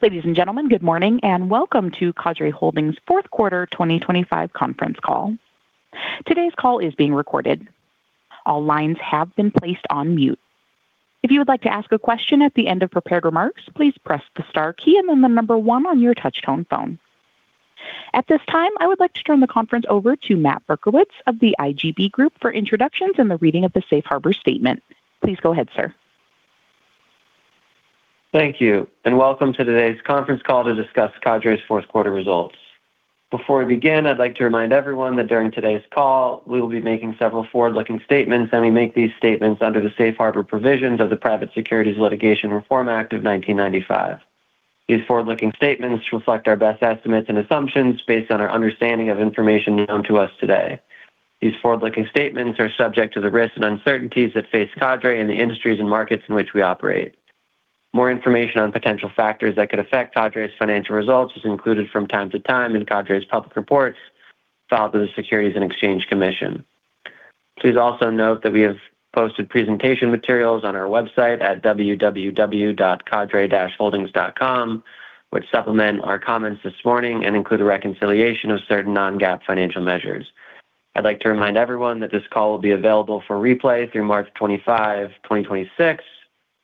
Ladies and gentlemen, good morning, and welcome to Cadre Holdings' fourth quarter 2025 conference call. Today's call is being recorded. All lines have been placed on mute. If you would like to ask a question at the end of prepared remarks, please press the star key and then the number one on your touchtone phone. At this time, I would like to turn the conference over to Matt Berkowitz of The IGB Group for introductions and the reading of the Safe Harbor statement. Please go ahead, sir. Thank you, and welcome to today's conference call to discuss Cadre's fourth quarter results. Before we begin, I'd like to remind everyone that during today's call, we will be making several forward-looking statements, and we make these statements under the Safe Harbor provisions of the Private Securities Litigation Reform Act of 1995. These forward-looking statements reflect our best estimates and assumptions based on our understanding of information known to us today. These forward-looking statements are subject to the risks and uncertainties that face Cadre in the industries and markets in which we operate. More information on potential factors that could affect Cadre's financial results is included from time to time in Cadre's public reports filed with the Securities and Exchange Commission. Please also note that we have posted presentation materials on our website at www.cadre-holdings.com, which supplement our comments this morning and include a reconciliation of certain non-GAAP financial measures. I'd like to remind everyone that this call will be available for replay through March 25, 2026.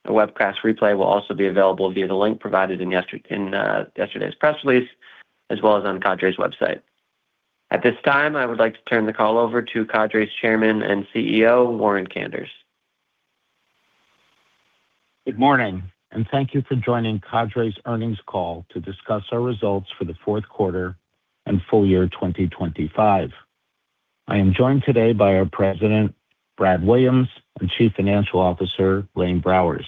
A webcast replay will also be available via the link provided in yesterday's press release, as well as on Cadre's website. At this time, I would like to turn the call over to Cadre's chairman and CEO, Warren Kanders. Good morning, and thank you for joining Cadre's earnings call to discuss our results for the fourth quarter and full year 2025. I am joined today by our President, Brad Williams, and Chief Financial Officer, Blaine Browers.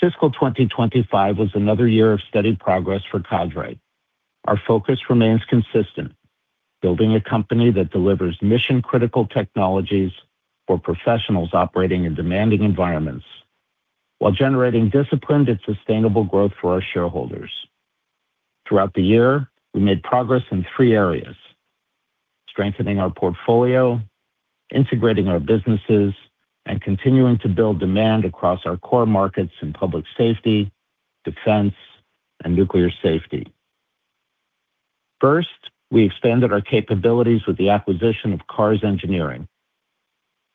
Fiscal 2025 was another year of steady progress for Cadre. Our focus remains consistent, building a company that delivers mission-critical technologies for professionals operating in demanding environments while generating disciplined and sustainable growth for our shareholders. Throughout the year, we made progress in three areas, strengthening our portfolio, integrating our businesses, and continuing to build demand across our core markets in public safety, defense, and nuclear safety. First, we expanded our capabilities with the acquisition of Carr's Engineering.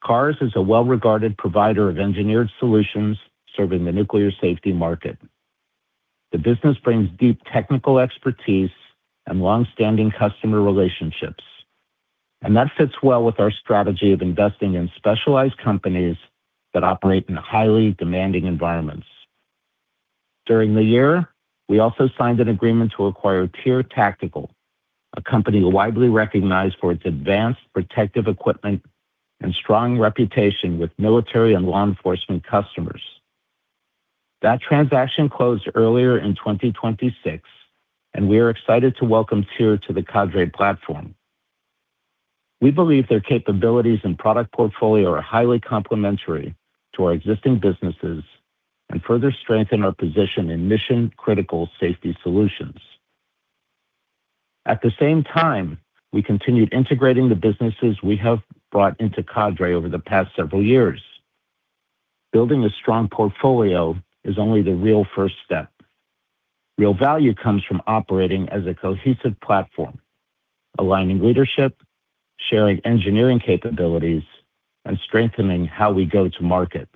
Carr's is a well-regarded provider of engineered solutions serving the nuclear safety market. The business brings deep technical expertise and long-standing customer relationships, and that fits well with our strategy of investing in specialized companies that operate in highly demanding environments. During the year, we also signed an agreement to acquire TYR Tactical, a company widely recognized for its advanced protective equipment and strong reputation with military and law enforcement customers. That transaction closed earlier in 2026, and we are excited to welcome TYR to the Cadre platform. We believe their capabilities and product portfolio are highly complementary to our existing businesses and further strengthen our position in mission-critical safety solutions. At the same time, we continued integrating the businesses we have brought into Cadre over the past several years. Building a strong portfolio is only the real first step. Real value comes from operating as a cohesive platform, aligning leadership, sharing engineering capabilities, and strengthening how we go to market.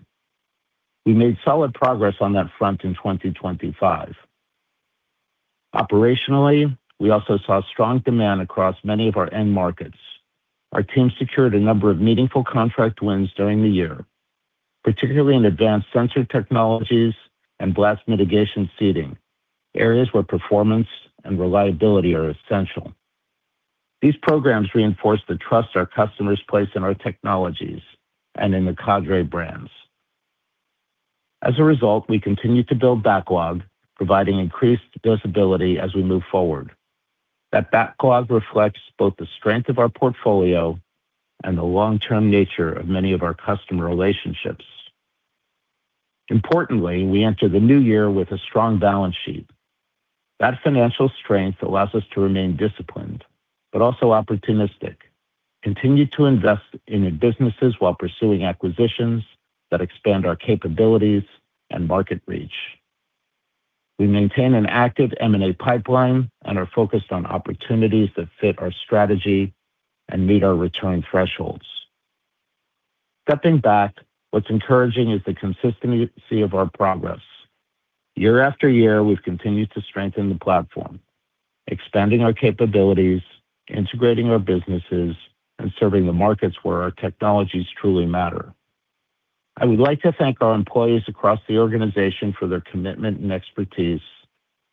We made solid progress on that front in 2025. Operationally, we also saw strong demand across many of our end markets. Our team secured a number of meaningful contract wins during the year, particularly in advanced sensor technologies and blast mitigation seating, areas where performance and reliability are essential. These programs reinforce the trust our customers place in our technologies and in the Cadre brands. As a result, we continue to build backlog, providing increased visibility as we move forward. That backlog reflects both the strength of our portfolio and the long-term nature of many of our customer relationships. Importantly, we enter the new year with a strong balance sheet. That financial strength allows us to remain disciplined but also opportunistic, continue to invest in our businesses while pursuing acquisitions that expand our capabilities and market reach. We maintain an active M&A pipeline and are focused on opportunities that fit our strategy and meet our return thresholds. Stepping back, what's encouraging is the consistency of our progress. Year after year, we've continued to strengthen the platform, expanding our capabilities, integrating our businesses, and serving the markets where our technologies truly matter. I would like to thank our employees across the organization for their commitment and expertise,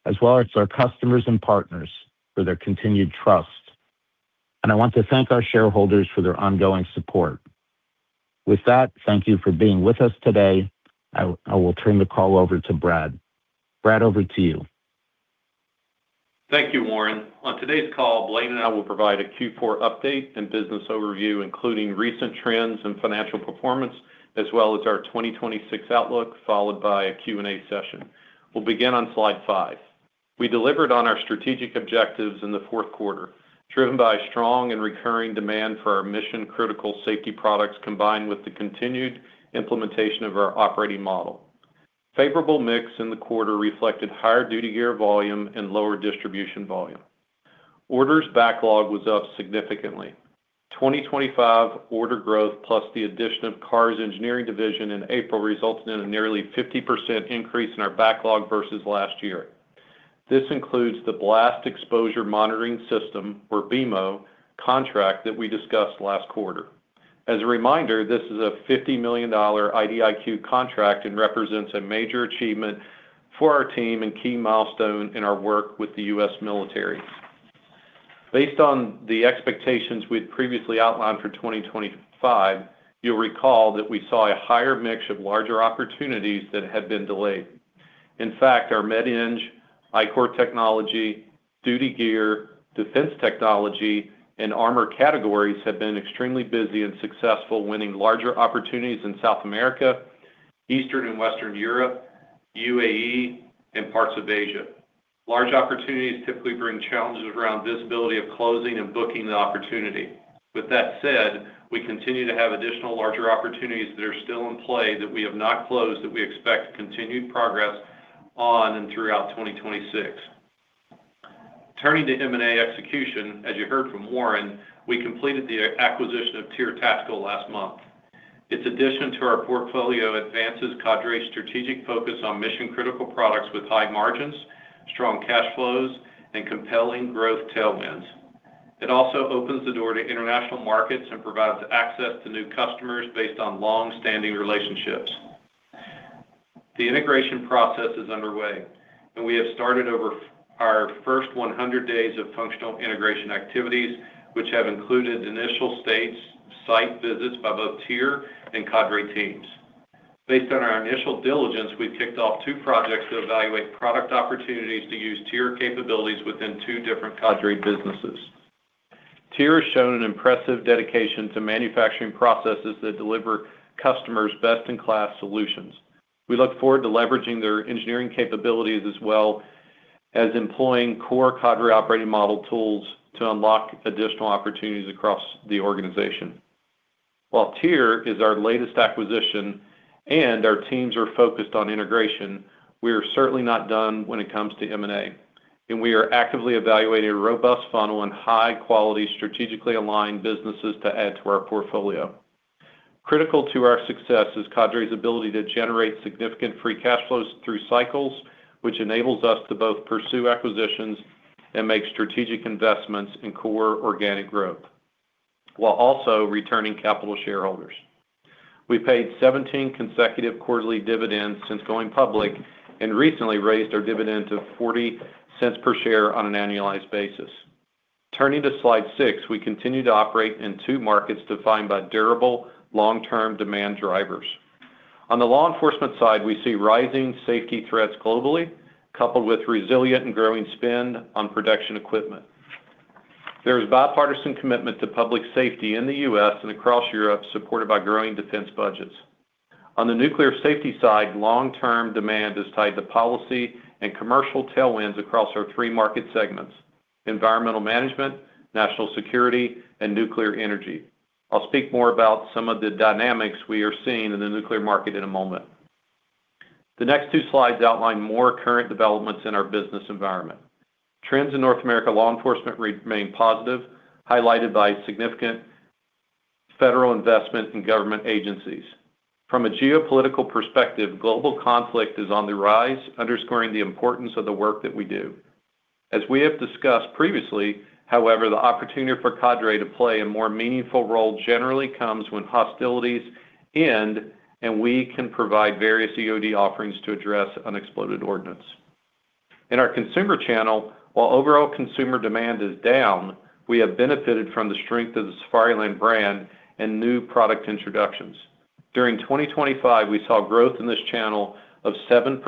as well as our customers and partners for their continued trust. I want to thank our shareholders for their ongoing support. With that, thank you for being with us today. I will turn the call over to Brad. Brad, over to you. Thank you, Warren. On today's call, Blaine and I will provide a Q4 update and business overview, including recent trends and financial performance, as well as our 2026 outlook, followed by a Q&A session. We'll begin on slide five. We delivered on our strategic objectives in the fourth quarter, driven by strong and recurring demand for our mission-critical safety products combined with the continued implementation of our operating model. Favorable mix in the quarter reflected higher duty gear volume and lower distribution volume. Order backlog was up significantly. 2025 order growth plus the addition of Carr's Engineering Division in April resulted in a nearly 50% increase in our backlog versus last year. This includes the Blast Exposure Monitoring System, or BEMO, contract that we discussed last quarter. As a reminder, this is a $50 million IDIQ contract and represents a major achievement for our team and key milestone in our work with the U.S. military. Based on the expectations we'd previously outlined for 2025, you'll recall that we saw a higher mix of larger opportunities that had been delayed. In fact, our Med-Eng, ICOR Technology, duty gear, defense technology, and armor categories have been extremely busy and successful winning larger opportunities in South America, Eastern and Western Europe, UAE, and parts of Asia. Large opportunities typically bring challenges around visibility of closing and booking the opportunity. With that said, we continue to have additional larger opportunities that are still in play that we have not closed that we expect continued progress on and throughout 2026. Turning to M&A execution, as you heard from Warren, we completed the acquisition of TYR Tactical last month. Its addition to our portfolio advances Cadre's strategic focus on mission-critical products with high margins, strong cash flows, and compelling growth tailwinds. It also opens the door to international markets and provides access to new customers based on long-standing relationships. The integration process is underway, and we have started over our first 100 days of functional integration activities, which have included initial stages, site visits by both TYR and Cadre teams. Based on our initial diligence, we've kicked off two projects to evaluate product opportunities to use TYR capabilities within two different Cadre businesses. TYR has shown an impressive dedication to manufacturing processes that deliver customers best-in-class solutions. We look forward to leveraging their engineering capabilities as well as employing core Cadre operating model tools to unlock additional opportunities across the organization. While TYR is our latest acquisition and our teams are focused on integration, we are certainly not done when it comes to M&A, and we are actively evaluating a robust funnel and high-quality, strategically aligned businesses to add to our portfolio. Critical to our success is Cadre's ability to generate significant free cash flows through cycles, which enables us to both pursue acquisitions and make strategic investments in core organic growth, while also returning capital to shareholders. We paid 17 consecutive quarterly dividends since going public and recently raised our dividend to $0.40 per share on an annualized basis. Turning to slide six, we continue to operate in two markets defined by durable long-term demand drivers. On the law enforcement side, we see rising safety threats globally, coupled with resilient and growing spend on protection equipment. There is bipartisan commitment to public safety in the U.S. and across Europe, supported by growing defense budgets. On the nuclear safety side, long-term demand is tied to policy and commercial tailwinds across our three market segments, environmental management, national security, and nuclear energy. I'll speak more about some of the dynamics we are seeing in the nuclear market in a moment. The next two slides outline more current developments in our business environment. Trends in North American law enforcement remain positive, highlighted by significant federal investment in government agencies. From a geopolitical perspective, global conflict is on the rise, underscoring the importance of the work that we do. As we have discussed previously, however, the opportunity for Cadre to play a more meaningful role generally comes when hostilities end, and we can provide various EOD offerings to address unexploded ordnance. In our consumer channel, while overall consumer demand is down, we have benefited from the strength of the Safariland brand and new product introductions. During 2025, we saw growth in this channel of 7%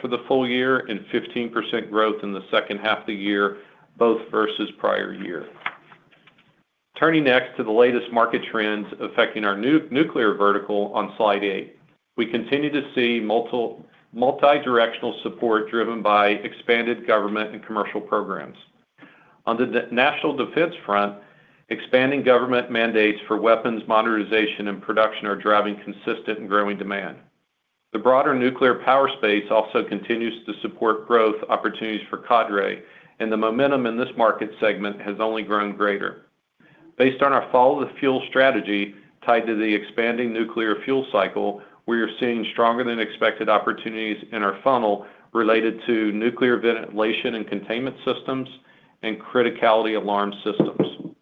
for the full year and 15% growth in the H2 of the year, both versus prior year. Turning next to the latest market trends affecting our nuclear vertical on slide eight. We continue to see multidirectional support driven by expanded government and commercial programs. On the national defense front, expanding government mandates for weapons modernization and production are driving consistent and growing demand. The broader nuclear power space also continues to support growth opportunities for Cadre, and the momentum in this market segment has only grown greater. Based on our follow the fuel strategy tied to the expanding nuclear fuel cycle, we are seeing stronger than expected opportunities in our funnel related to nuclear ventilation and containment systems and criticality alarm systems.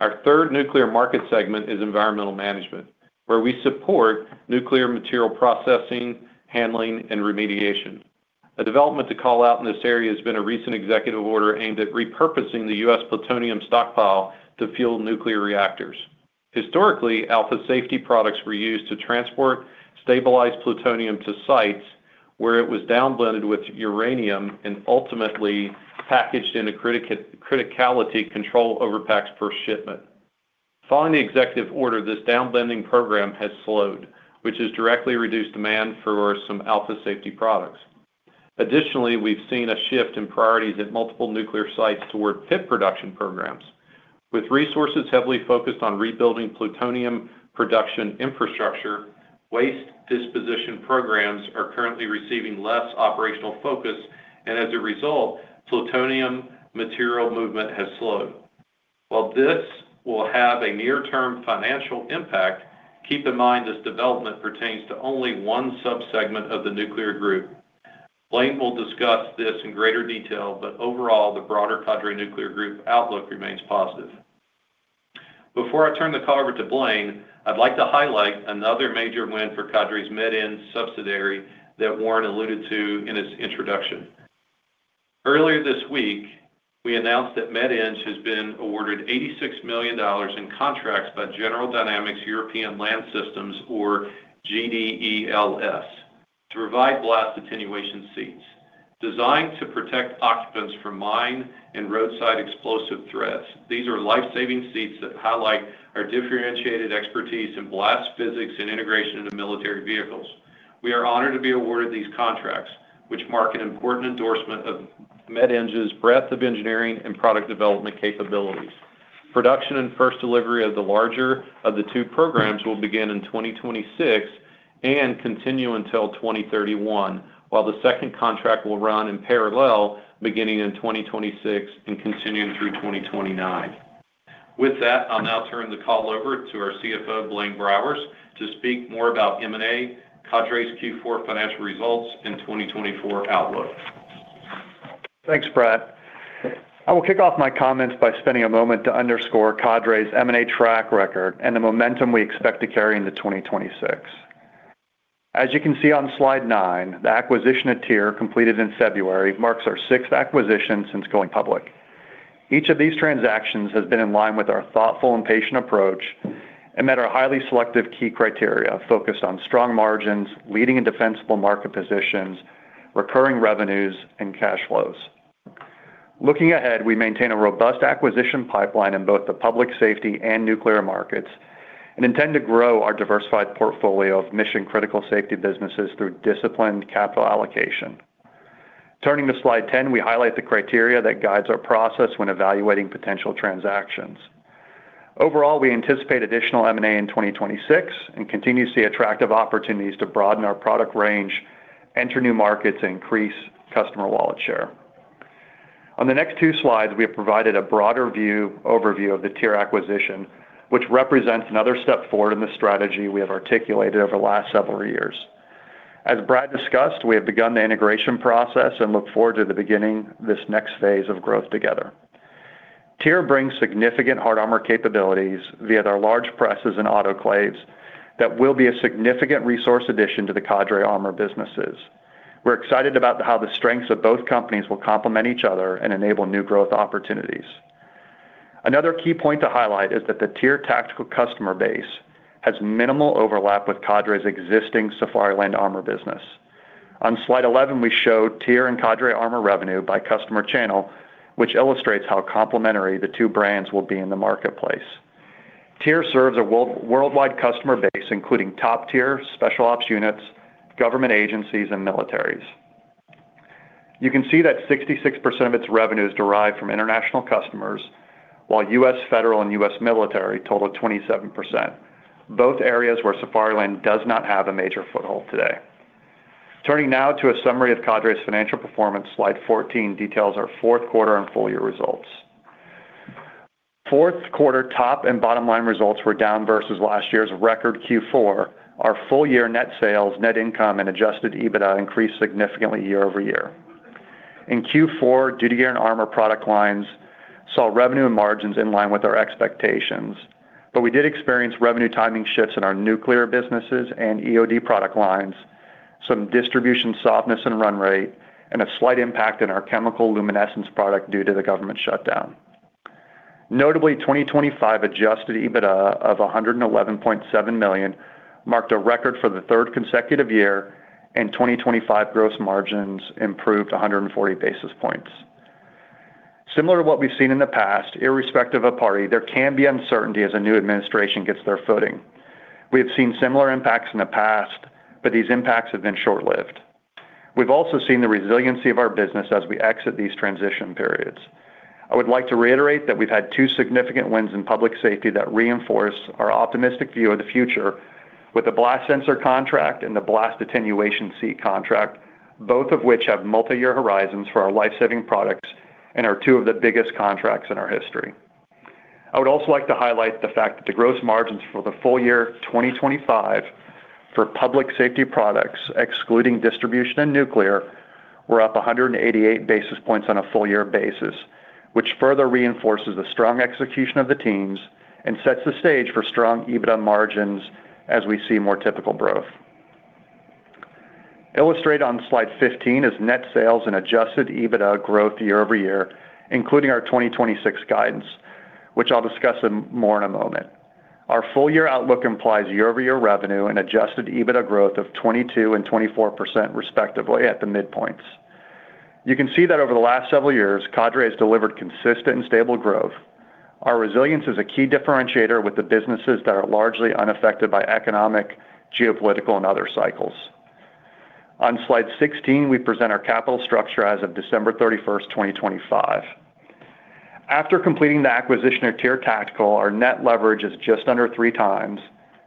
Our third nuclear market segment is environmental management, where we support nuclear material processing, handling, and remediation. A development to call out in this area has been a recent executive order aimed at repurposing the U.S. plutonium stockpile to fuel nuclear reactors. Historically, Alpha Safety products were used to transport stabilized plutonium to sites where it was downblended with uranium and ultimately packaged into criticality control overpacks per shipment. Following the executive order, this down blending program has slowed, which has directly reduced demand for some Alpha Safety products. Additionally, we've seen a shift in priorities at multiple nuclear sites toward pit production programs. With resources heavily focused on rebuilding plutonium production infrastructure, waste disposition programs are currently receiving less operational focus, and as a result, plutonium material movement has slowed. While this will have a near-term financial impact, keep in mind this development pertains to only one subsegment of the nuclear group. Blaine will discuss this in greater detail, but overall, the broader Cadre nuclear group outlook remains positive. Before I turn the call over to Blaine, I'd like to highlight another major win for Cadre's Med-Eng subsidiary that Warren alluded to in his introduction. Earlier this week, we announced that Med-Eng has been awarded $86 million in contracts by General Dynamics European Land Systems, or GDELS, to provide blast attenuation seats. Designed to protect occupants from mine and roadside explosive threats, these are life-saving seats that highlight our differentiated expertise in blast physics and integration into military vehicles. We are honored to be awarded these contracts, which mark an important endorsement of Med-Eng's breadth of engineering and product development capabilities. Production and first delivery of the larger of the two programs will begin in 2026 and continue until 2031, while the second contract will run in parallel beginning in 2026 and continuing through 2029. With that, I'll now turn the call over to our CFO, Blaine Browers, to speak more about M&A, Cadre's Q4 financial results, and 2024 outlook. Thanks, Brad. I will kick off my comments by spending a moment to underscore Cadre's M&A track record and the momentum we expect to carry into 2026. As you can see on slide nine, the acquisition of TYR completed in February marks our sixth acquisition since going public. Each of these transactions has been in line with our thoughtful and patient approach and met our highly selective key criteria focused on strong margins, leading and defensible market positions, recurring revenues, and cash flows. Looking ahead, we maintain a robust acquisition pipeline in both the public safety and nuclear markets and intend to grow our diversified portfolio of mission-critical safety businesses through disciplined capital allocation. Turning to slide 10, we highlight the criteria that guides our process when evaluating potential transactions. Overall, we anticipate additional M&A in 2026 and continue to see attractive opportunities to broaden our product range, enter new markets, and increase customer wallet share. On the next two slides, we have provided a broader overview of the TYR acquisition, which represents another step forward in the strategy we have articulated over the last several years. As Brad discussed, we have begun the integration process and look forward to beginning this next phase of growth together. TYR brings significant hard armor capabilities via their large presses and autoclaves that will be a significant resource addition to the Cadre armor businesses. We're excited about how the strengths of both companies will complement each other and enable new growth opportunities. Another key point to highlight is that the TYR tactical customer base has minimal overlap with Cadre's existing Safariland armor business. On slide 11, we show TYR and Cadre armor revenue by customer channel, which illustrates how complementary the two brands will be in the marketplace. TYR serves a worldwide customer base, including top-tier special ops units, government agencies, and militaries. You can see that 66% of its revenue is derived from international customers, while US federal and US military total 27%, both areas where Safariland does not have a major foothold today. Turning now to a summary of Cadre's financial performance, slide 14 details our fourth quarter and full year results. Fourth quarter top and bottom line results were down versus last year's record Q4. Our full year net sales, net income, and adjusted EBITDA increased significantly year-over-year. In Q4, duty gear and armor product lines saw revenue and margins in line with our expectations, but we did experience revenue timing shifts in our nuclear businesses and EOD product lines, some distribution softness and run rate, and a slight impact in our chemiluminescence product due to the government shutdown. Notably, 2025 adjusted EBITDA of $111.7 million marked a record for the third consecutive year, and 2025 gross margins improved 140 basis points. Similar to what we've seen in the past, irrespective of party, there can be uncertainty as a new administration gets their footing. We have seen similar impacts in the past, but these impacts have been short-lived. We've also seen the resiliency of our business as we exit these transition periods. I would like to reiterate that we've had two significant wins in public safety that reinforce our optimistic view of the future with the blast sensor contract and the blast attenuation seat contract, both of which have multi-year horizons for our life-saving products and are two of the biggest contracts in our history. I would also like to highlight the fact that the gross margins for the full year 2025 for public safety products, excluding distribution and nuclear, were up 188 basis points on a full year basis, which further reinforces the strong execution of the teams and sets the stage for strong EBITDA margins as we see more typical growth. Illustrated on slide 15 is net sales and adjusted EBITDA growth year-over-year, including our 2026 guidance, which I'll discuss in more in a moment. Our full year outlook implies year-over-year revenue and adjusted EBITDA growth of 22% and 24% respectively at the midpoints. You can see that over the last several years, Cadre has delivered consistent and stable growth. Our resilience is a key differentiator with the businesses that are largely unaffected by economic, geopolitical, and other cycles. On slide 16, we present our capital structure as of December 31, 2025. After completing the acquisition of TYR Tactical, our net leverage is just under 3x,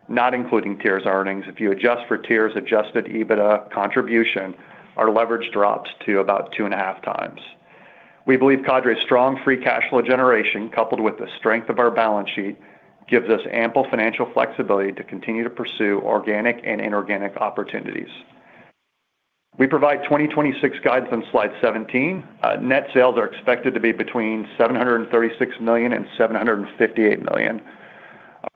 not including TYR's earnings. If you adjust for TYR's adjusted EBITDA contribution, our leverage drops to about 2.5x. We believe Cadre's strong free cash flow generation, coupled with the strength of our balance sheet, gives us ample financial flexibility to continue to pursue organic and inorganic opportunities. We provide 2026 guidance on slide 17. Net sales are expected to be between $736 million and $758 million.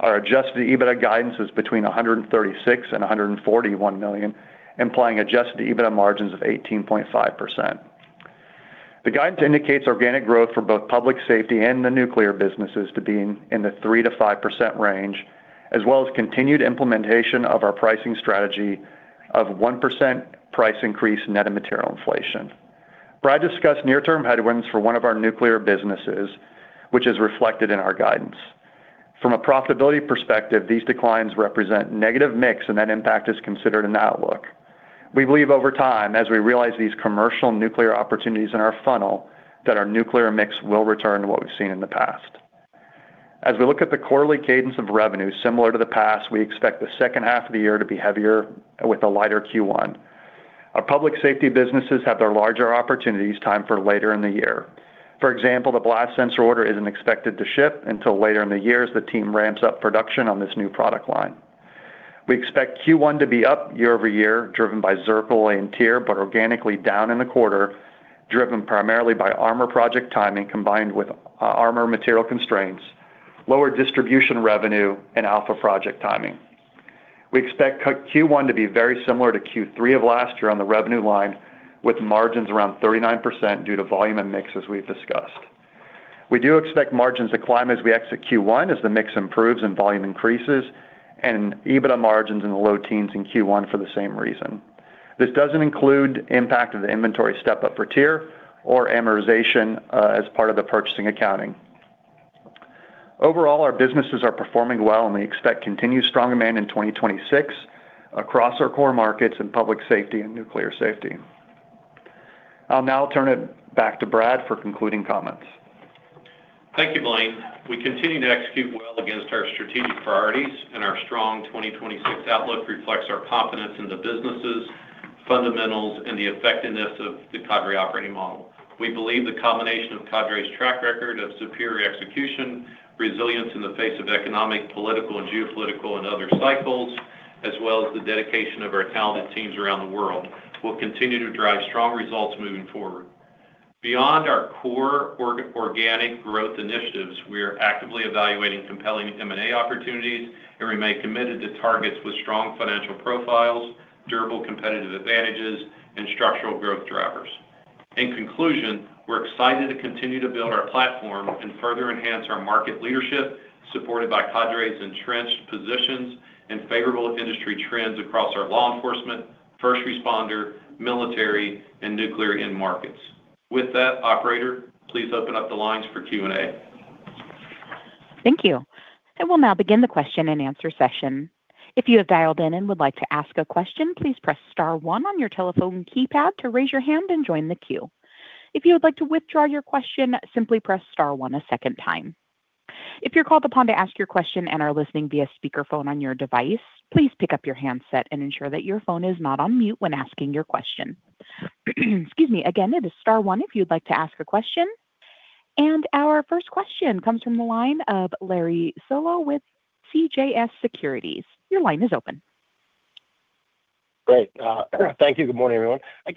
Our adjusted EBITDA guidance is between $136 million and $141 million, implying adjusted EBITDA margins of 18.5%. The guidance indicates organic growth for both public safety and the nuclear businesses to be in the 3%-5% range, as well as continued implementation of our pricing strategy of 1% price increase net of material inflation. Brad discussed near-term headwinds for one of our nuclear businesses, which is reflected in our guidance. From a profitability perspective, these declines represent negative mix, and that impact is considered an outlook. We believe over time, as we realize these commercial nuclear opportunities in our funnel, that our nuclear mix will return to what we've seen in the past. As we look at the quarterly cadence of revenue, similar to the past, we expect the H2 of the year to be heavier with a lighter Q1. Our public safety businesses have their larger opportunities timed for later in the year. For example, the blast sensor order isn't expected to ship until later in the year as the team ramps up production on this new product line. We expect Q1 to be up year-over-year, driven by Zirpul and TYR, but organically down in the quarter, driven primarily by Armor project timing combined with Armor material constraints, lower distribution revenue, and Alpha project timing. We expect Q1 to be very similar to Q3 of last year on the revenue line with margins around 39% due to volume and mix as we've discussed. We do expect margins to climb as we exit Q1 as the mix improves and volume increases, and EBITDA margins in the low teens% in Q1 for the same reason. This doesn't include impact of the inventory step-up for TYR or amortization as part of the purchase accounting. Overall, our businesses are performing well, and we expect continued strong demand in 2026 across our core markets in public safety and nuclear safety. I'll now turn it back to Brad for concluding comments. Thank you, Blaine. We continue to execute well against our strategic priorities, and our strong 2026 outlook reflects our confidence in the businesses, fundamentals, and the effectiveness of the Cadre operating model. We believe the combination of Cadre's track record of superior execution, resilience in the face of economic, political, and geopolitical and other cycles, as well as the dedication of our talented teams around the world, will continue to drive strong results moving forward. Beyond our core organic growth initiatives, we are actively evaluating compelling M&A opportunities, and remain committed to targets with strong financial profiles, durable competitive advantages, and structural growth drivers. In conclusion, we're excited to continue to build our platform and further enhance our market leadership, supported by Cadre's entrenched positions and favorable industry trends across our law enforcement, first responder, military, and nuclear end markets. With that, operator, please open up the lines for Q&A. Thank you. I will now begin the question-and-answer session. If you have dialed in and would like to ask a question, please press star one on your telephone keypad to raise your hand and join the queue. If you would like to withdraw your question, simply press star one a second time. If you're called upon to ask your question and are listening via speakerphone on your device, please pick up your handset and ensure that your phone is not on mute when asking your question. Excuse me. Again, it is star one if you'd like to ask a question. Our first question comes from the line of Larry Solow with CJS Securities. Your line is open. Great. Thank you. Good morning, everyone. My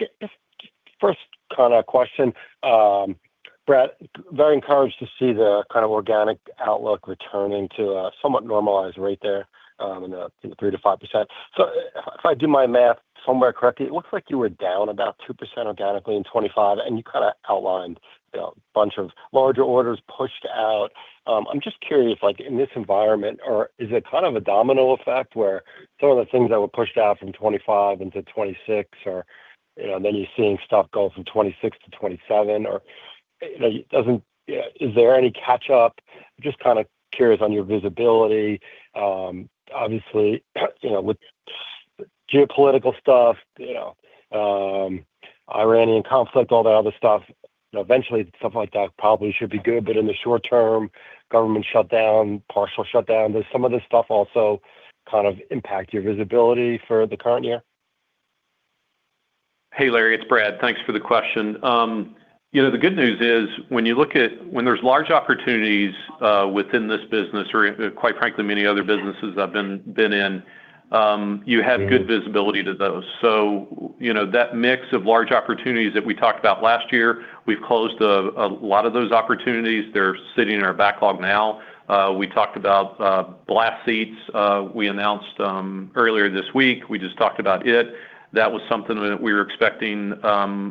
first kind of question, Brad, very encouraged to see the kind of organic outlook returning to a somewhat normalized rate there, in the 3%-5%. If I do my math somewhat correctly, it looks like you were down about 2% organically in 2025, and you kind of outlined a bunch of larger orders pushed out. I'm just curious, like in this environment, or is it kind of a domino effect where some of the things that were pushed out from 2025 into 2026 or, you know, then you're seeing stuff go from 2026 to 2027? Or, you know, doesn't. Is there any catch up? Just kind of curious on your visibility. Obviously, you know, with geopolitical stuff, you know, Iranian conflict, all that other stuff, eventually stuff like that probably should be good, but in the short term, government shutdown, partial shutdown. Does some of this stuff also kind of impact your visibility for the current year? Hey, Larry, it's Brad. Thanks for the question. You know, the good news is when there's large opportunities within this business or quite frankly many other businesses I've been in, you have good visibility to those. You know, that mix of large opportunities that we talked about last year, we've closed a lot of those opportunities. They're sitting in our backlog now. We talked about blast seats we announced earlier this week. We just talked about it. That was something that we were expecting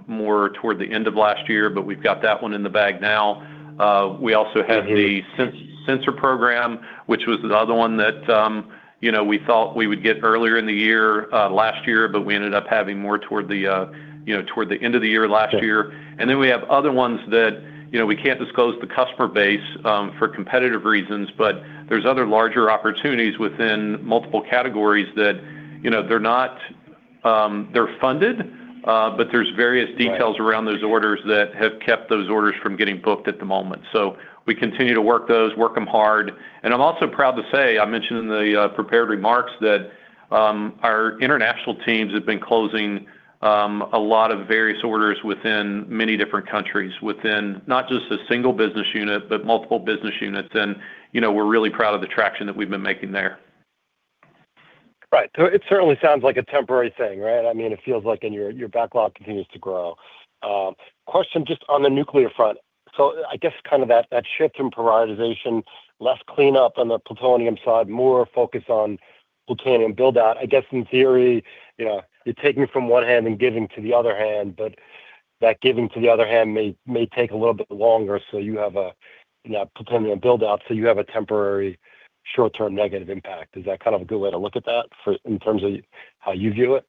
more toward the end of last year, but we've got that one in the bag now. We also have the sensor program, which was the other one that, you know, we thought we would get earlier in the year, last year, but we ended up having more toward the end of the year last year. Okay. We have other ones that, you know, we can't disclose the customer base for competitive reasons, but there's other larger opportunities within multiple categories that, you know, they're funded, but there's various details. Right... around those orders that have kept those orders from getting booked at the moment. We continue to work those, work them hard. I'm also proud to say, I mentioned in the prepared remarks that our international teams have been closing a lot of various orders within many different countries within not just a single business unit, but multiple business units. You know, we're really proud of the traction that we've been making there. Right. It certainly sounds like a temporary thing, right? I mean, it feels like your backlog continues to grow. Question just on the nuclear front. I guess kind of that shift in prioritization, less cleanup on the plutonium side, more focus on plutonium build-out. I guess in theory, you know, you're taking from one hand and giving to the other hand, but that giving to the other hand may take a little bit longer, so you have a temporary short-term negative impact. Is that kind of a good way to look at that, in terms of how you view it?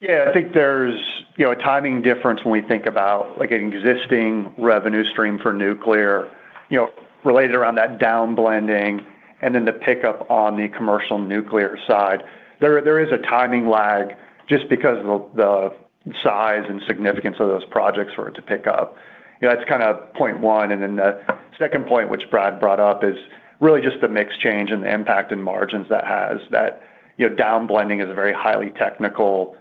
Yeah. I think there's, you know, a timing difference when we think about, like, an existing revenue stream for nuclear, you know, related around that downblending and then the pickup on the commercial nuclear side. There is a timing lag just because of the size and significance of those projects for it to pick up. You know, that's kind of point one, and then the second point, which Brad brought up, is really just the mix change and the impact in margins that has. That, you know, downblending is a very highly technical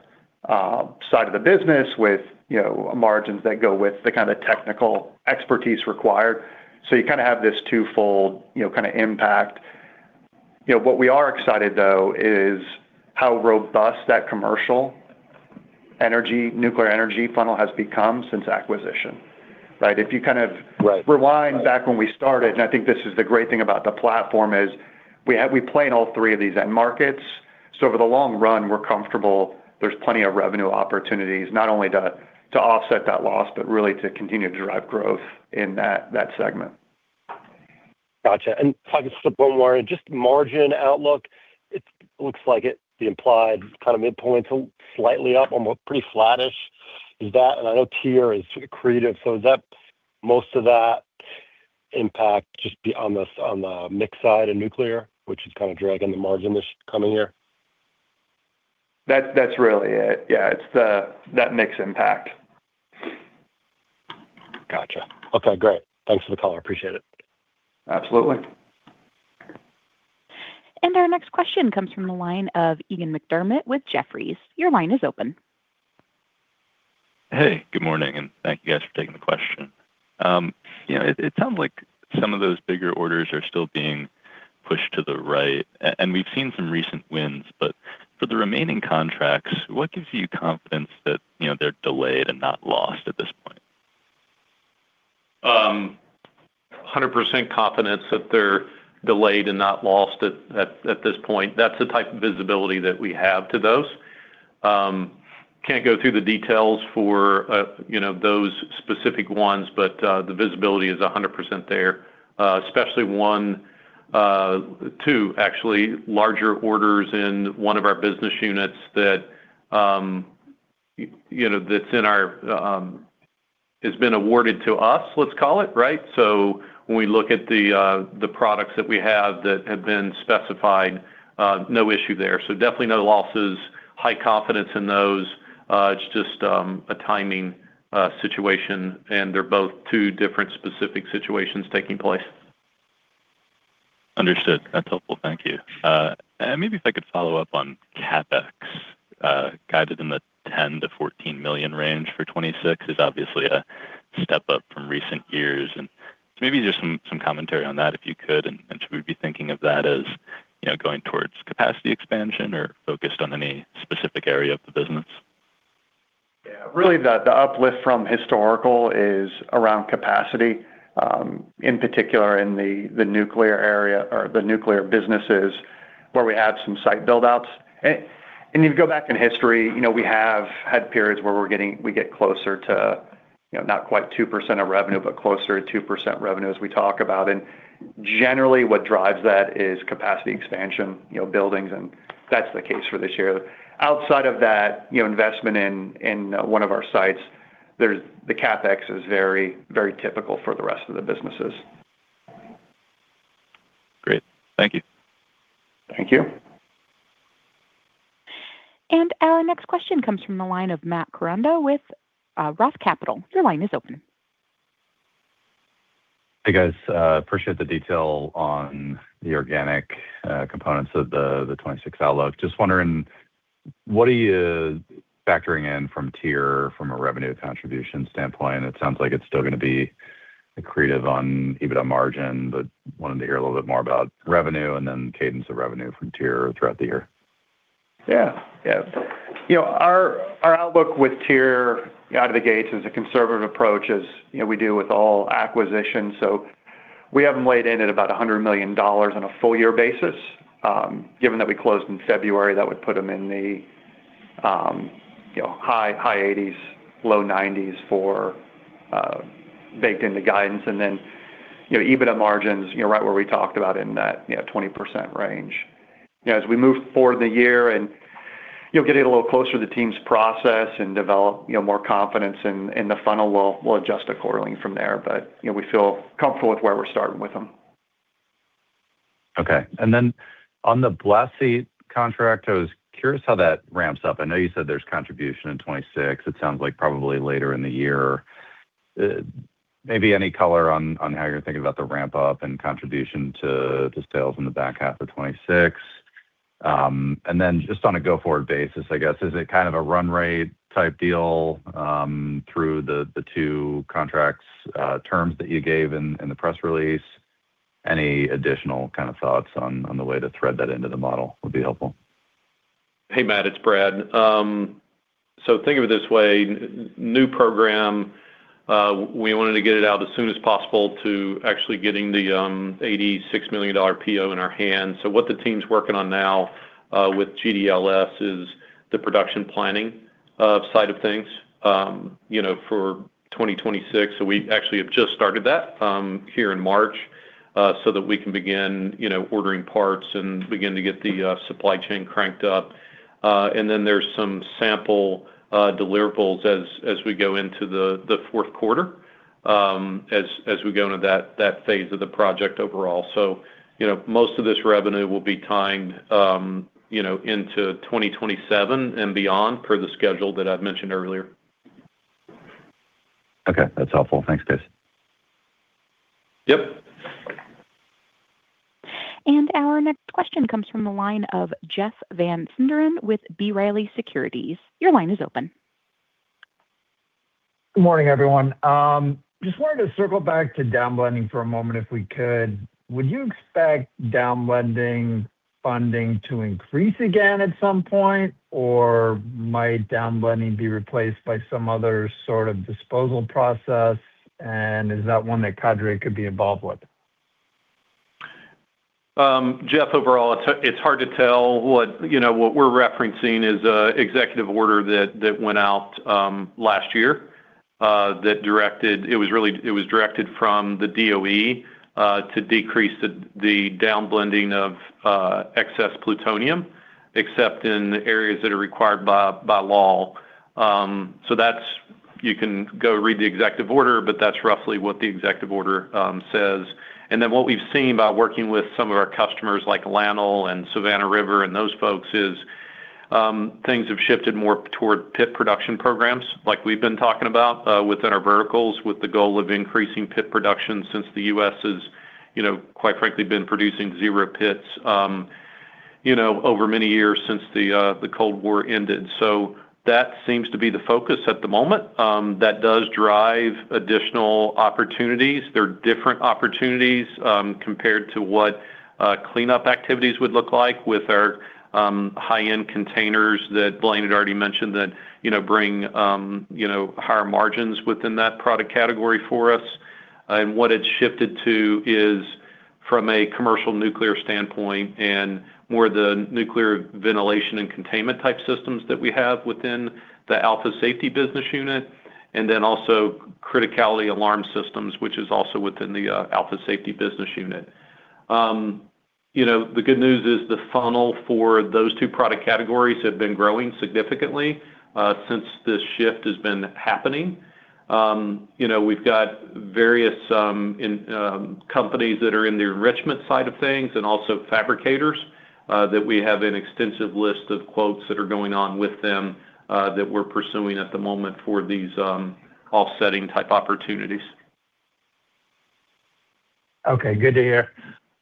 side of the business with, you know, margins that go with the kind of technical expertise required. So you kind of have this twofold, you know, kind of impact. You know, what we are excited, though, is how robust that commercial energy, nuclear energy funnel has become since acquisition, right? If you kind of- Right Rewind back when we started, and I think this is the great thing about the platform, is we play in all three of these end markets. Over the long run, we're comfortable there's plenty of revenue opportunities, not only to offset that loss, but really to continue to drive growth in that segment. Gotcha. Talking just one more, just margin outlook, it looks like it, the implied kind of midpoint, so slightly up, almost pretty flattish. Is that, and I know TYR is accretive, so is that most of that impact just from the mix side of nuclear, which is kind of dragging the margin this coming year? That's really it. Yeah. It's that mix impact. Gotcha. Okay, great. Thanks for the call. I appreciate it. Absolutely. Our next question comes from the line of Eegan McDermott with Jefferies. Your line is open. Hey, good morning, and thank you guys for taking the question. You know, it sounds like some of those bigger orders are still being pushed to the right and we've seen some recent wins, but for the remaining contracts, what gives you confidence that, you know, they're delayed and not lost at this point? 100% confidence that they're delayed and not lost at this point. That's the type of visibility that we have to those. Can't go through the details for, you know, those specific ones, but the visibility is 100% there. Especially 1, 2 actually larger orders in one of our business units that has been awarded to us, let's call it, right? When we look at the products that we have that have been specified, no issue there. Definitely no losses, high confidence in those. It's just a timing situation, and they're both 2 different specific situations taking place. Understood. That's helpful. Thank you. Maybe if I could follow up on CapEx, guided in the $10 million-$14 million range for 2026 is obviously a step up from recent years. Maybe just some commentary on that, if you could. Should we be thinking of that as, you know, going towards capacity expansion or focused on any specific area of the business? Yeah. Really the uplift from historical is around capacity, in particular in the nuclear area or the nuclear businesses where we have some site build-outs. You go back in history, you know, we have had periods where we get closer to, you know, not quite 2% of revenue, but closer to 2% revenue as we talk about. Generally, what drives that is capacity expansion, you know, buildings, and that's the case for this year. Outside of that, you know, investment in one of our sites, the CapEx is very typical for the rest of the businesses. Great. Thank you. Thank you. Our next question comes from the line of Matt Koranda with Roth Capital. Your line is open. Hey, guys. Appreciate the detail on the organic components of the 2026 outlook. Just wondering, what are you factoring in from TYR from a revenue contribution standpoint? It sounds like it's still gonna be accretive on EBITDA margin, but wanted to hear a little bit more about revenue and then cadence of revenue from TYR throughout the year. Yeah. You know, our outlook with TYR out of the gates is a conservative approach as, you know, we do with all acquisitions. We have them weighed in at about $100 million on a full year basis. Given that we closed in February, that would put them in the You know, high 80s%-low 90s% baked into guidance. You know, EBIT margins, you know, right where we talked about in that, you know, 20% range. You know, as we move forward the year and, you know, getting a little closer to the team's process and develop, you know, more confidence in the funnel, we'll adjust accordingly from there. You know, we feel comfortable with where we're starting with them. Okay. On the BEMO contract, I was curious how that ramps up. I know you said there's contribution in 2026. It sounds like probably later in the year. Maybe any color on how you're thinking about the ramp up and contribution to sales in the back half of 2026. Just on a go forward basis, I guess, is it kind of a run rate type deal through the two contracts' terms that you gave in the press release? Any additional kind of thoughts on the way to thread that into the model would be helpful. Hey Matt, it's Brad. Think of it this way, new program, we wanted to get it out as soon as possible to actually getting the $86 million PO in our hands. What the team's working on now with GDELS is the production planning side of things, you know, for 2026. We actually have just started that here in March so that we can begin, you know, ordering parts and begin to get the supply chain cranked up. There's some sample deliverables as we go into the fourth quarter as we go into that phase of the project overall. You know, most of this revenue will be timed, you know, into 2027 and beyond per the schedule that I've mentioned earlier. Okay. That's helpful. Thanks guys. Yep. Our next question comes from the line of Jeff Van Sinderen with B. Riley Securities. Your line is open. Good morning everyone. Just wanted to circle back to downblending for a moment if we could. Would you expect downblending funding to increase again at some point? Or might downblending be replaced by some other sort of disposal process? Is that one that Cadre could be involved with? Jeff, overall it's hard to tell what, you know, what we're referencing is an executive order that went out last year that directed it was really directed from the DOE to decrease the downblending of excess plutonium except in areas that are required by law. So that's. You can go read the executive order, but that's roughly what the executive order says. What we've seen by working with some of our customers like LANL and Savannah River and those folks is things have shifted more toward pit production programs like we've been talking about within our verticals with the goal of increasing pit production since the U.S. has, you know, quite frankly been producing zero pits, you know, over many years since the Cold War ended. That seems to be the focus at the moment, that does drive additional opportunities. They're different opportunities, compared to what, cleanup activities would look like with our, high-end containers that Blaine had already mentioned that, you know, bring, you know, higher margins within that product category for us. What it's shifted to is from a commercial nuclear standpoint and more the nuclear ventilation and containment type systems that we have within the Alpha Safety business unit, and then also criticality alarm systems, which is also within the, Alpha Safety business unit. You know, the good news is the funnel for those two product categories have been growing significantly, since this shift has been happening. You know, we've got various companies that are in the enrichment side of things and also fabricators that we have an extensive list of quotes that are going on with them that we're pursuing at the moment for these offsetting type opportunities. Okay. Good to hear.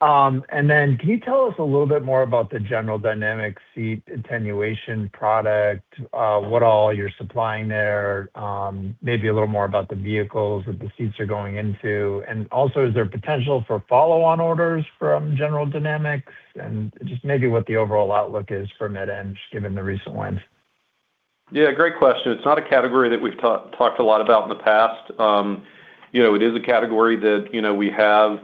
Can you tell us a little bit more about the General Dynamics blast attenuation seats? What all you're supplying there? Maybe a little more about the vehicles that the seats are going into, and also is there potential for follow-on orders from General Dynamics and just maybe what the overall outlook is for Med-Eng given the recent wins? Yeah, great question. It's not a category that we've talked a lot about in the past. You know, it is a category that, you know, we have,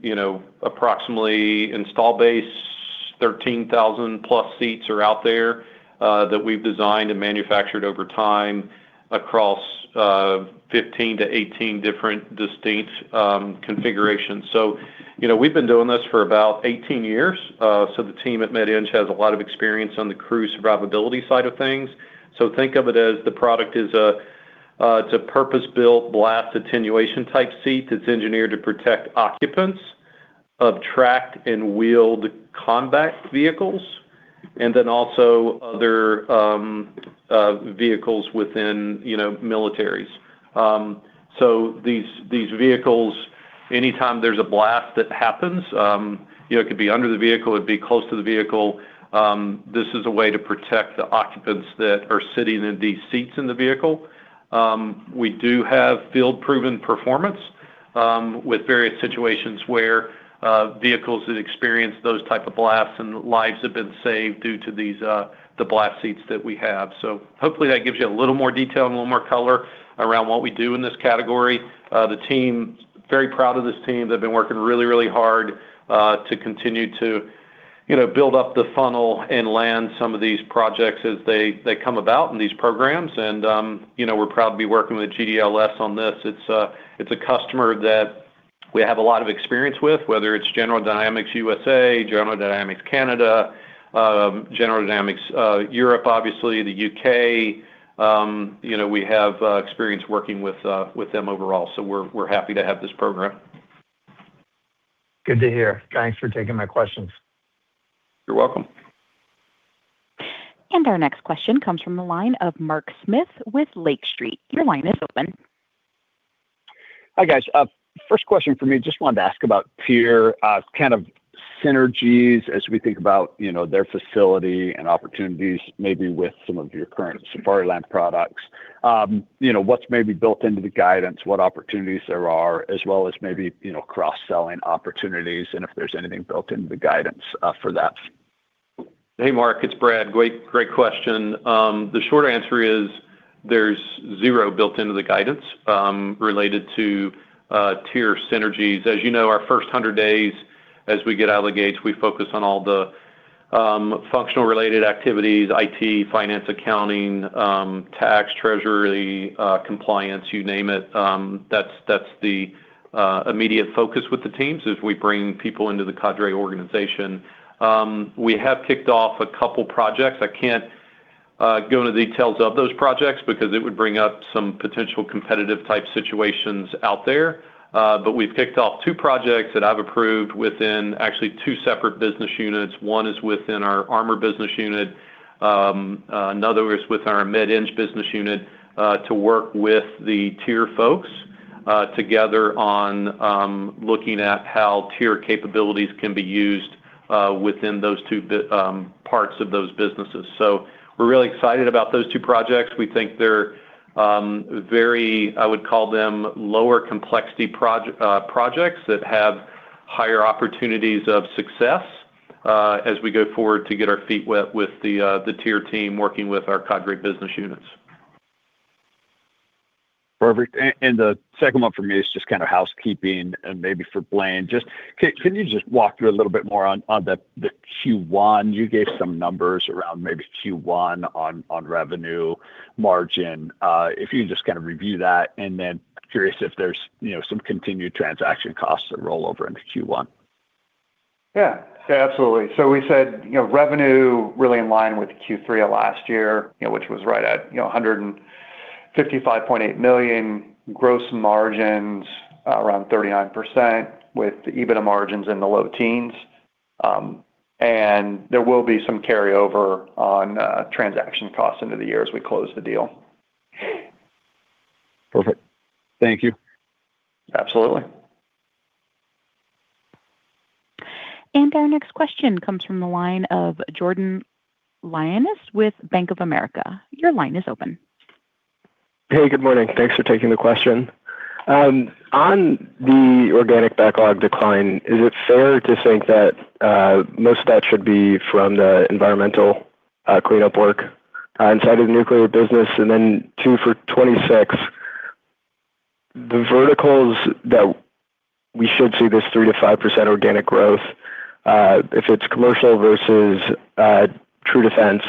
you know, approximately installed base 13,000+ seats are out there, that we've designed and manufactured over time across, 15-18 different distinct, configurations. You know, we've been doing this for about 18 years. The team at Med-Eng has a lot of experience on the crew survivability side of things. Think of it as the product is a, it's a purpose-built blast attenuation type seat that's engineered to protect occupants of tracked and wheeled combat vehicles and then also other, vehicles within, you know, militaries. These vehicles, anytime there's a blast that happens, you know, it could be under the vehicle, it could be close to the vehicle. This is a way to protect the occupants that are sitting in these seats in the vehicle. We do have field proven performance, with various situations where vehicles that experience those type of blasts and lives have been saved due to these, the blast seats that we have. Hopefully that gives you a little more detail and a little more color around what we do in this category. The team, very proud of this team. They've been working really, really hard, to continue to You know, build up the funnel and land some of these projects as they come about in these programs. We're proud to be working with GDLS on this. It's a customer that we have a lot of experience with, whether it's General Dynamics U.S., General Dynamics Canada, General Dynamics Europe, obviously the U.K. We have experience working with them overall, so we're happy to have this program. Good to hear. Thanks for taking my questions. You're welcome. Our next question comes from the line of Mark Smith with Lake Street. Your line is open. Hi, guys. First question for me, just wanted to ask about TYR kind of synergies as we think about, you know, their facility and opportunities maybe with some of your current Safariland products. You know, what's maybe built into the guidance, what opportunities there are, as well as maybe, you know, cross-selling opportunities and if there's anything built into the guidance for that. Hey Mark, it's Brad. Great question. The short answer is there's zero built into the guidance related to TYR synergies. As you know, our first 100 days as we get out of the gates, we focus on all the functional related activities, IT, finance, accounting, tax, treasury, compliance, you name it. That's the immediate focus with the teams as we bring people into the Cadre organization. We have kicked off a couple projects. I can't go into details of those projects because it would bring up some potential competitive type situations out there. We've kicked off two projects that I've approved within actually two separate business units. One is within our armor business unit. Another is with our Med-Eng business unit, to work with the TYR folks, together on looking at how TYR capabilities can be used within those two parts of those businesses. We're really excited about those two projects. We think they're very, I would call them lower complexity projects that have higher opportunities of success, as we go forward to get our feet wet with the TYR team working with our Cadre business units. Perfect. The second one for me is just kind of housekeeping and maybe for Blaine. Just, can you just walk through a little bit more on the Q1? You gave some numbers around maybe Q1 on revenue margin. If you can just kind of review that and then curious if there's, you know, some continued transaction costs that roll over into Q1. Yeah. Yeah, absolutely. We said, you know, revenue really in line with Q3 of last year, you know, which was right at, you know, $155.8 million. Gross margins around 39% with EBITDA margins in the low teens. And there will be some carryover on transaction costs into the year as we close the deal. Perfect. Thank you. Absolutely. Our next question comes from the line of Jordan Lyonnais with Bank of America. Your line is open. Hey, good morning. Thanks for taking the question. On the organic backlog decline, is it fair to think that most of that should be from the environmental cleanup work inside of the nuclear business? Two, for 2026, the verticals that we should see this 3%-5% organic growth, if it's commercial versus true defense,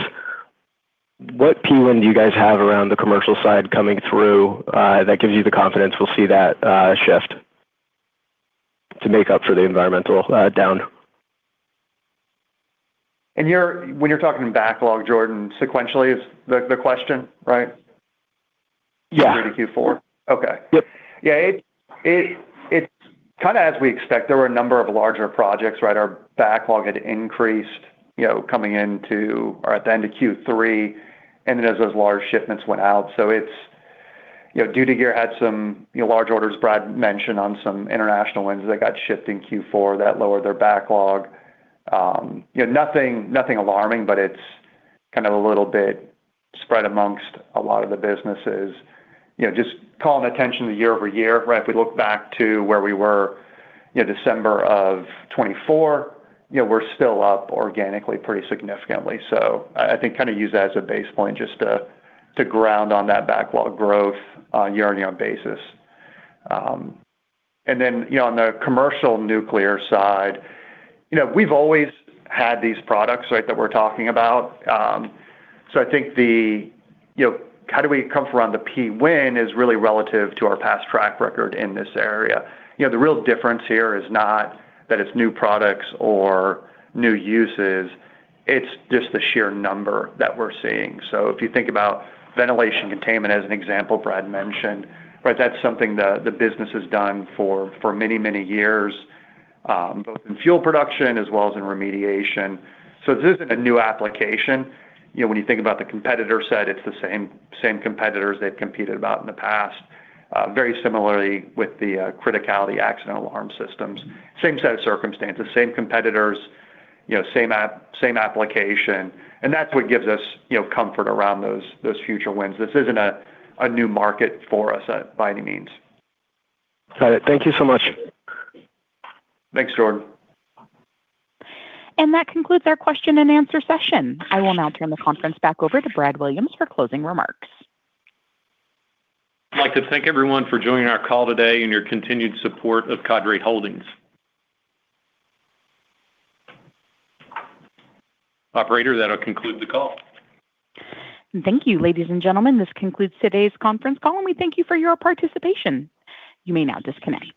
what Pwin do you guys have around the commercial side coming through that gives you the confidence we'll see that shift to make up for the environmental down? When you're talking backlog, Jordan, sequentially is the question, right? Yeah. Q3 to Q4. Okay. Yep. Yeah. It's kinda as we expect. There were a number of larger projects, right? Our backlog had increased, you know, coming into or at the end of Q3, and as those large shipments went out. It's, you know, Duty Gear had some, you know, large orders Brad mentioned on some international wins that got shipped in Q4 that lowered their backlog. You know, nothing alarming, but it's kind of a little bit spread amongst a lot of the businesses. You know, just calling attention to year-over-year, right? If we look back to where we were, you know, December of 2024, you know, we're still up organically pretty significantly. I think kinda use that as a base point just to ground on that backlog growth on a year-over-year basis. you know, on the commercial nuclear side, you know, we've always had these products, right, that we're talking about. I think the, you know, kind of our comfort around the Pwin is really relative to our past track record in this area. You know, the real difference here is not that it's new products or new uses, it's just the sheer number that we're seeing. If you think about ventilation and containment as an example Brad mentioned, right? That's something the business has done for many, many years, both in fuel production as well as in remediation. This isn't a new application. You know, when you think about the competitor set, it's the same competitors they've competed against in the past. Very similarly with the criticality accident alarm systems. Same set of circumstances, same competitors, you know, same app, same application, and that's what gives us, you know, comfort around those future wins. This isn't a new market for us by any means. Got it. Thank you so much. Thanks, Jordan. That concludes our question and answer session. I will now turn the conference back over to Brad Williams for closing remarks. I'd like to thank everyone for joining our call today and your continued support of Cadre Holdings. Operator, that'll conclude the call. Thank you, ladies and gentlemen. This concludes today's conference call, and we thank you for your participation. You may now disconnect.